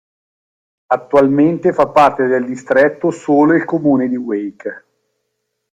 Attualmente fa parte del distretto solo il comune di Wake.